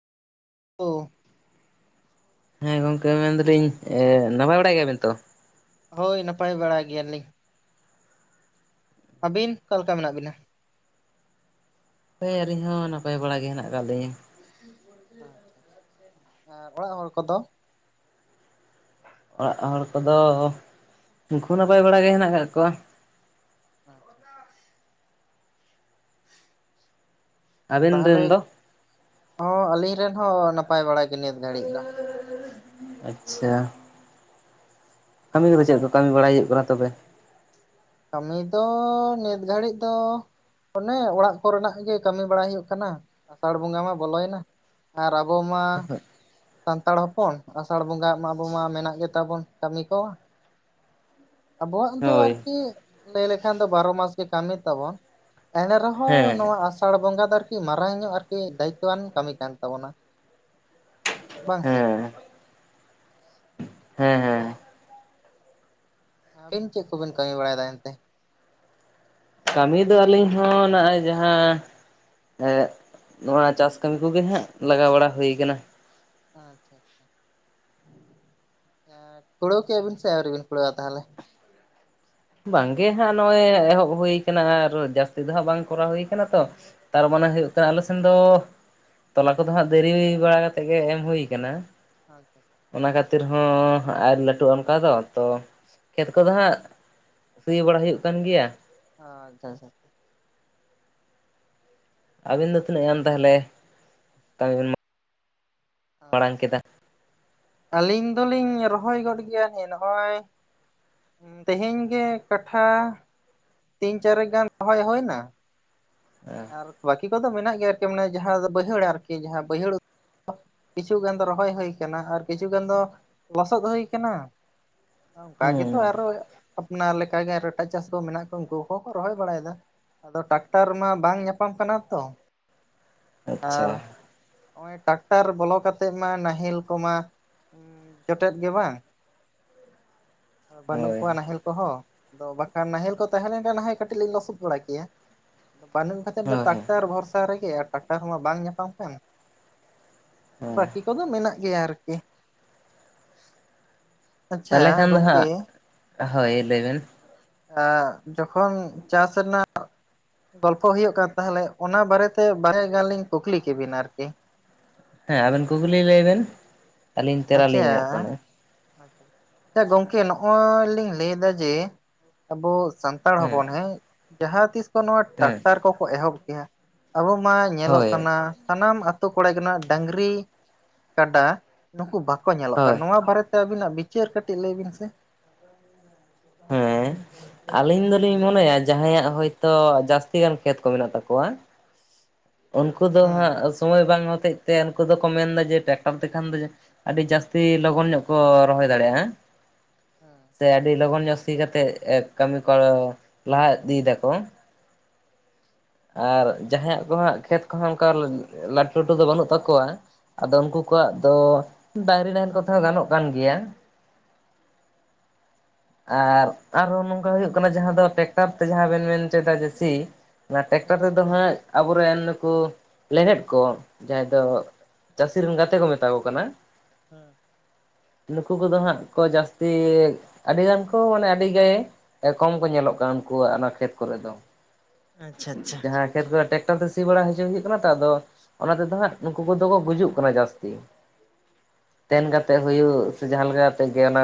ᱚ ᱦᱮᱸ ᱜᱚᱝᱠᱮ ᱢᱮᱱ ᱫᱟᱞᱤᱧ ᱱᱟᱯᱟᱭ ᱵᱟᱲᱟᱭ ᱜᱮᱭᱟ ᱵᱮᱱ ᱛᱚ ᱦᱳᱭ ᱱᱟᱯᱟᱭ ᱵᱟᱲᱟ ᱜᱮᱭᱟ ᱞᱤᱧ ᱟᱹᱵᱤᱱ ᱚᱠᱟ ᱞᱮᱠᱟ ᱢᱮᱱᱟᱜ ᱵᱤᱱᱟ ᱦᱳᱭ ᱟᱹᱞᱤᱧ ᱦᱚᱸ ᱱᱟᱯᱟᱭ ᱵᱟᱲᱟᱜᱮ ᱦᱮᱱᱟᱜ ᱟᱠᱟᱫ ᱞᱤᱧᱟᱹ ᱟᱪᱪᱷᱟ ᱟᱪᱪᱷᱟ ᱚᱲᱟᱜ ᱦᱚᱲ ᱠᱚᱫᱚ ᱚᱲᱟᱜ ᱦᱚᱲ ᱠᱚᱫᱚ ᱩᱱᱠᱩ ᱱᱟᱯᱟᱭ ᱵᱟᱲᱟᱜᱮ ᱦᱮᱱᱟᱜ ᱟᱠᱟᱫ ᱠᱚᱣᱟ ᱟᱪᱪᱷᱟ ᱟᱵᱮᱱ ᱛᱟᱦᱚᱞᱮ ᱨᱮᱱ ᱫᱚ? ᱦᱚᱸ ᱟᱹᱞᱤᱧ ᱨᱮᱱ ᱦᱚᱸ ᱱᱟᱯᱟᱭ ᱵᱟᱲᱟ ᱜᱮ ᱱᱤᱛ ᱜᱷᱟᱹᱲᱤᱡ ᱫᱚ ᱟᱪᱪᱷᱟ ᱠᱟᱹᱢᱤ ᱠᱚᱫᱚ ᱪᱮᱫ ᱠᱚ ᱠᱟᱹᱢᱤ ᱵᱟᱲᱟᱭ ᱦᱩᱭᱩᱜ ᱠᱟᱱᱟ ᱛᱚᱵᱮ ᱠᱟᱹᱢᱤ ᱫᱚ ᱱᱤᱛ ᱜᱷᱟᱹᱲᱤᱡ ᱫᱚ ᱚᱱᱮ ᱚᱲᱟᱜ ᱠᱚᱨᱮᱱᱟᱜ ᱜᱮ ᱠᱟᱹᱢᱤ ᱵᱟᱲᱟᱭ ᱦᱩᱭᱩᱜ ᱠᱟᱱᱟ ᱟᱥᱟᱲ ᱵᱚᱸᱜᱟ ᱢᱟ ᱵᱚᱞᱚᱭᱮᱱᱟ ᱟᱨ ᱟᱵᱚ ᱢᱟ ᱥᱟᱱᱛᱟᱲ ᱦᱚᱯᱚᱱ ᱟᱥᱟᱲ ᱵᱚᱸᱜᱟ ᱢᱟ ᱟᱵᱚ ᱢᱟ ᱢᱮᱱᱟᱜ ᱜᱮᱛᱟ ᱵᱚᱱ ᱠᱟᱹᱢᱤ ᱠᱚ ᱟᱵᱚᱣᱟᱜ ᱫᱚ ᱦᱳᱭ ᱟᱨᱠᱤ ᱞᱟᱹᱭ ᱞᱮᱠᱷᱟᱱ ᱫᱚ ᱵᱟᱨᱚ ᱢᱟᱥ ᱜᱮ ᱠᱟᱹᱢᱤ ᱛᱟᱵᱚᱱ ᱮᱱᱨᱮᱦᱚᱸ ᱦᱮᱸ ᱱᱚᱣᱟ ᱟᱥᱟᱲ ᱵᱚᱸᱜᱟ ᱫᱚ ᱟᱨᱠᱤ ᱢᱟᱨᱟᱝ ᱧᱚᱜ ᱟᱨᱠᱤ ᱫᱟᱭᱤᱛᱛᱚ-ᱟᱱ ᱠᱟᱹᱢᱤ ᱠᱟᱱ ᱛᱟᱵᱚᱱᱟ ᱵᱟᱝ ᱥᱮ ᱦᱮᱸ ᱦᱮᱸ ᱦᱳᱭ ᱦᱮᱸ ᱟᱹᱵᱤᱱ ᱪᱮᱫ ᱠᱚᱵᱤᱱ ᱠᱟᱹᱢᱤ ᱵᱟᱲᱟᱭᱮᱫᱟ ᱮᱱᱛᱮ ᱠᱟᱹᱢᱤ ᱫᱚ ᱟᱹᱞᱤᱧ ᱦᱚᱸ ᱱᱚᱜᱼᱚᱭ ᱡᱟᱦᱟᱸ ᱱᱚᱣᱟ ᱪᱟᱥ ᱠᱟᱹᱢᱤ ᱠᱚᱜᱮ ᱦᱟᱜ ᱞᱟᱜᱟᱣ ᱵᱟᱲᱟ ᱦᱩᱭ ᱟᱠᱟᱱᱟ ᱟᱪᱪᱷᱟ ᱟᱪᱪᱷᱟ ᱯᱩᱲᱟᱹᱣ ᱠᱮ-ᱟ ᱵᱤᱱ ᱥᱮ ᱟᱹᱣᱨᱤᱵᱤᱱ ᱯᱩᱲᱟᱹᱣᱟ ᱛᱟᱦᱚᱞᱮ ᱵᱟᱝᱜᱮ ᱦᱟᱸᱜ ᱱᱚᱜᱼᱚᱭ ᱮᱦᱚᱵ ᱦᱩᱭ ᱟᱠᱟᱱᱟ ᱟᱨ ᱡᱟᱹᱥᱛᱤ ᱫᱚ ᱦᱟᱸᱜ ᱵᱟᱝ ᱠᱚᱨᱟᱣ ᱦᱩᱭ ᱠᱟᱱᱟ ᱛᱚ ᱛᱟᱨ ᱢᱟᱱᱮ ᱦᱩᱭᱩᱜ ᱠᱟᱱᱟ ᱟᱞᱮ ᱥᱮᱱ ᱫᱚ ᱛᱚᱞᱟ ᱠᱚᱫᱚ ᱦᱟᱸᱜ ᱫᱮᱨᱤ ᱵᱟᱲᱟ ᱠᱟᱛᱮᱜ ᱜᱮ ᱮᱢ ᱦᱩᱭ ᱟᱠᱟᱱᱟ ᱟᱪᱪᱷᱟ ᱚᱱᱟ ᱠᱷᱟᱹᱛᱤᱨ ᱦᱚᱸ ᱟᱨ ᱞᱟᱹᱴᱩᱜᱼᱟ ᱚᱱᱠᱟᱫᱚ ᱛᱚ ᱠᱷᱮᱛ ᱠᱚᱫᱚ ᱦᱟᱸᱜ ᱥᱤᱭᱟᱹᱵᱟᱲᱟ ᱦᱩᱭᱩᱜ ᱠᱟᱱ ᱜᱮᱭᱟ ᱟᱪᱷᱟ ᱟᱪᱷᱟ ᱟᱵᱤᱱ ᱫᱚ ᱛᱤᱱᱟᱹᱜ ᱜᱟᱱ ᱛᱟᱦᱚᱞᱮ ᱠᱟᱹᱢᱤ ᱵᱤᱱ ᱢᱟᱲᱟᱝ ᱠᱮᱫᱟ ᱟᱹᱞᱤᱧ ᱫᱚᱞᱤᱧ ᱨᱚᱦᱚᱭ ᱜᱚᱫ ᱜᱮᱭᱟ [inaudible] ᱱᱚᱜᱼᱚᱭ ᱛᱮᱦᱮᱧ ᱜᱮ ᱠᱟᱴᱷᱟ! ᱛᱤᱱ ᱪᱟᱨᱮᱠ ᱜᱟᱱ ᱨᱚᱦᱚᱭ ᱦᱳᱭᱱᱟ ᱵᱟᱹᱠᱤ ᱠᱚᱫᱚ ᱢᱮᱱᱟᱜ ᱜᱮᱭᱟ ᱟᱨᱠᱤ ᱢᱟᱱᱮ ᱡᱟᱦᱟᱸ ᱵᱟᱹᱭᱦᱟᱹᱲ ᱟᱨᱠᱤ ᱡᱟᱦᱟᱸ ᱵᱟᱹᱭᱦᱟᱹᱲ ᱠᱤᱪᱷᱩ ᱜᱟᱱ ᱫᱚ ᱨᱚᱦᱚᱭ ᱦᱩᱭ ᱠᱟᱱᱟ ᱟᱨ ᱠᱤᱪᱷᱩ ᱜᱟᱱ ᱫᱚ ᱞᱚᱥᱚᱫ ᱦᱩᱭ ᱟᱠᱟᱱᱟ ᱚᱱᱠᱟ ᱜᱮ ᱛᱚ ᱦᱩᱸ ᱟᱨ-ᱮ ᱟᱯᱱᱟᱨ ᱞᱮᱠᱟᱜᱮ ᱟᱨ ᱮᱴᱟᱜ ᱪᱟᱥ ᱠᱚ ᱢᱮᱱᱟᱜ ᱠᱚ ᱩᱱᱠᱩ ᱠᱚᱦᱚᱸ ᱠᱚ ᱨᱚᱦᱚᱭ ᱵᱟᱲᱟᱭᱮᱫᱟ ᱟᱫᱚ ᱴᱨᱮᱠᱴᱚᱨ ᱵᱟᱝ ᱧᱟᱯᱟᱢ ᱠᱟᱱᱟ ᱛᱚ ᱟᱨ ᱟᱪᱪᱷᱟ ᱱᱚᱜᱼᱚᱭ ᱴᱨᱮᱠᱴᱟᱨ ᱵᱚᱞᱚ ᱠᱟᱛᱮᱜ ᱢᱟ ᱱᱟᱦᱮᱞ ᱠᱚᱢᱟ ᱡᱚᱴᱮᱫ ᱜᱮ ᱵᱟᱝ [inaudible] ᱵᱟᱹᱱᱩᱜ ᱠᱚᱣᱟ ᱱᱟᱦᱮᱞ ᱠᱚᱦᱚᱸ ᱟᱫᱚ ᱵᱟᱠᱷᱟᱱ ᱱᱟᱦᱮᱞ ᱠᱚ ᱛᱟᱦᱮᱸ ᱞᱮᱱᱠᱷᱟᱱ ᱱᱟᱦᱟᱸᱜ ᱠᱟᱹᱴᱤᱡ ᱞᱤᱧ ᱞᱚᱥᱚᱫ ᱵᱟᱲᱟ ᱠᱮᱭᱟ ᱵᱟᱹᱱᱩᱜ ᱠᱟᱛᱮᱫ ᱫᱚ ᱦᱳᱭ ᱦᱳᱭ ᱴᱨᱮᱠᱴᱟᱨ ᱵᱷᱚᱨᱥᱟ ᱨᱮᱜᱮ ᱟᱨ ᱴᱨᱮᱠᱴᱟᱨ ᱦᱚᱸ ᱵᱟᱝ ᱧᱟᱯᱟᱢ ᱠᱟᱱ ᱦᱳᱭ ᱵᱟᱹᱠᱤ ᱠᱚᱫᱚ ᱢᱮᱱᱟᱜ ᱜᱮᱭᱟ ᱟᱨᱠᱤ ᱟᱪᱪᱷᱟ ᱛᱟᱦᱚᱞᱮ ᱠᱷᱟᱱ ᱫᱚ ᱜᱚᱝᱠᱮ ᱦᱟᱸᱜ ᱦᱳᱭ ᱞᱟᱹᱭᱵᱮᱱ ᱮ ᱡᱚᱠᱷᱚᱱ ᱪᱟᱥ ᱨᱮᱱᱟᱜ ᱜᱚᱞᱯᱚ ᱦᱩᱭᱩᱜ ᱠᱟᱱ ᱛᱟᱦᱚᱞᱮ ᱚᱱᱟ ᱵᱟᱨᱮᱛᱮ ᱵᱟᱨᱮ ᱜᱟᱱ ᱞᱤᱧ ᱠᱩᱠᱞᱤ ᱠᱮᱵᱮᱱᱟ ᱟᱨᱠᱤ ᱦᱮᱸ ᱟᱵᱮᱱ ᱠᱩᱠᱞᱤ ᱞᱟᱹᱭ ᱵᱮᱱ ᱟᱹᱞᱤᱧ ᱛᱮᱞᱟ ᱟᱪᱪᱷᱟ ᱞᱤᱧ ᱮᱢᱚᱜ ᱠᱟᱱᱟ ᱟᱪᱪᱷᱟ ᱟᱪᱪᱷᱟ ᱜᱚᱝᱠᱮ ᱱᱚᱜᱼᱚᱭ ᱞᱤᱧ ᱞᱟᱹᱭᱫᱟ ᱡᱮ ᱟᱵᱚ ᱥᱟᱱ ᱥᱟᱱᱛᱟᱲ ᱦᱚᱯᱚᱱ ᱦᱮᱸ ᱡᱟᱦᱟᱸ ᱛᱤᱥ ᱠᱚ ᱱᱚᱣᱟ ᱦᱮᱸ ᱴᱨᱮᱠᱴᱟᱨ ᱠᱚᱠᱚ ᱮᱦᱚᱵ ᱠᱮᱼᱟ ᱟᱵᱚ ᱢᱟ ᱧᱮᱞᱚᱜ ᱦᱳᱭ ᱠᱟᱱᱟ ᱥᱟᱱᱟᱢ ᱟᱛᱳ ᱠᱚᱲᱟ ᱜᱮᱱᱟᱜ ᱰᱟᱹᱝᱨᱤ, ᱠᱟᱰᱟ, ᱱᱩᱠᱩ ᱵᱟᱠᱚ ᱧᱮᱞᱚᱜ ᱠᱟᱱᱟ ᱦᱳᱭ ᱱᱚᱣᱟ ᱵᱟᱨᱮᱛᱮ ᱟᱹᱵᱤᱱᱟᱜ ᱵᱤᱪᱟᱹᱨ ᱠᱟᱹᱴᱤᱡ ᱞᱟᱹᱭ ᱵᱮᱱ ᱥᱮ ᱦᱮᱸ ᱟᱹᱞᱤᱧ ᱫᱚᱞᱤᱧ ᱢᱚᱱᱮᱭᱟ ᱡᱟᱦᱟᱸᱭᱟᱜ ᱦᱳᱭᱛᱳ ᱡᱟᱹᱥᱛᱤ ᱟᱹᱰᱤ ᱜᱟᱱ ᱠᱷᱮᱛ ᱠᱚ ᱢᱮᱱᱟᱜ ᱛᱟᱠᱚᱣᱟ ᱩᱱᱠᱩ ᱫᱚ ᱦᱮᱸ ᱦᱟᱸᱜ ᱥᱚᱢᱚᱭ ᱵᱟᱝ ᱦᱚᱛᱮᱡ ᱛᱮ ᱩᱱᱠᱩ ᱫᱚᱠᱚ ᱢᱮᱱᱫᱟ ᱡᱮ ᱴᱨᱮᱠᱴᱟᱨ ᱛᱮᱠᱷᱟᱱ ᱫᱚ ᱟᱹᱰᱤ ᱡᱟᱹᱥᱛᱤ ᱞᱚᱜᱚᱱ ᱧᱚᱜ ᱠᱚ ᱨᱚᱦᱚᱭ ᱫᱟᱲᱮᱭᱟᱜᱼᱟ ᱦᱟᱸᱜ ᱦᱮᱸ ᱥᱮ ᱟᱹᱰᱤ ᱞᱚᱜᱚᱱ ᱧᱚᱜ ᱥᱤ ᱠᱟᱛᱮᱜ ᱠᱟᱹᱢᱤ ᱠᱚ ᱞᱟᱦᱟ ᱤᱫᱤᱭ ᱫᱟᱠᱚ ᱟᱨ ᱡᱟᱦᱟᱸᱭᱟᱜ ᱠᱚᱦᱟᱸᱜ ᱠᱷᱮᱛ ᱠᱚᱦᱚᱸ ᱚᱱᱠᱟ ᱞᱟᱹᱴᱩ ᱞᱟᱹᱴᱩ ᱫᱚ ᱵᱟᱹᱱᱩᱜ ᱛᱟᱠᱚᱣᱟ ᱟᱫᱚ ᱩᱱᱠᱩ ᱠᱚᱣᱟᱜ ᱫᱚ ᱰᱟᱝᱨᱤ ᱱᱟᱦᱮᱞ ᱠᱚᱛᱮ ᱦᱚᱸ ᱜᱟᱱᱚᱜ ᱠᱟᱱ ᱜᱮᱭᱟ [inaudible] ᱟᱨ ᱟᱨᱦᱚᱸ ᱱᱚᱝᱠᱟ ᱦᱩᱭᱩᱜ ᱠᱟᱱᱟ ᱡᱟᱦᱟᱸ ᱫᱚ ᱴᱨᱮᱠᱴᱟᱨ ᱛᱮ ᱡᱟᱦᱟᱸ ᱵᱮᱱ ᱢᱮᱱ ᱦᱚᱪᱚᱭᱮᱫᱟ ᱡᱟᱹᱥᱤ ᱚᱱᱟ ᱴᱨᱮᱠᱴᱟᱨ ᱦᱮᱸ ᱛᱮᱫᱚ ᱦᱮᱸ ᱦᱟᱸᱜ ᱟᱵᱚᱨᱮᱱ ᱱᱩᱠᱩ ᱞᱮᱦᱮᱫ ᱠᱚ ᱡᱟᱦᱟᱸᱭ ᱫᱚ ᱪᱟᱹᱥᱤ ᱨᱮᱱ ᱜᱟᱛᱮ ᱠᱚ ᱢᱮᱛᱟ ᱠᱚ ᱠᱟᱱᱟ ᱦᱮᱸ ᱱᱩᱠᱩ ᱠᱚᱫᱚ ᱦᱟᱸᱜ ᱠᱚ ᱡᱟᱹᱥᱛᱤ ᱟᱹᱰᱤ ᱜᱟᱱ ᱠᱚ ᱢᱟᱱᱮ ᱟᱹᱰᱤ ᱜᱮ ᱮ ᱠᱚᱢ ᱠᱚ ᱧᱮᱞᱚᱜ ᱠᱟᱱᱟ ᱩᱱᱠᱩᱣᱟᱜ ᱚᱱᱟ ᱠᱷᱮᱛ ᱠᱚᱨᱮ ᱫᱚ ᱟᱪᱪᱷᱟ ᱟᱪᱷᱟ ᱡᱟᱦᱟᱸ ᱠᱷᱮᱛ ᱠᱚᱨᱮ ᱴᱨᱮᱠᱴᱚᱨ ᱛᱮ ᱥᱤ ᱵᱟᱲᱟ ᱦᱚᱪᱚᱭ ᱦᱩᱭᱩᱜ ᱠᱟᱱᱟ ᱛᱚ ᱟᱫᱚ ᱚᱱᱟ ᱛᱮᱫᱚ ᱦᱟᱸᱜ ᱱᱩᱠᱩ ᱠᱚᱫᱚ ᱠᱚ ᱜᱩᱡᱩᱜ ᱠᱟᱱᱟ ᱡᱟᱹᱥᱛᱤ ᱛᱮᱱ ᱠᱟᱛᱮᱜ ᱦᱩᱭᱩᱜ ᱥᱮ ᱡᱟᱦᱟᱸ ᱞᱮᱠᱟ ᱠᱟᱛᱮᱜ ᱜᱮ ᱚᱱᱟ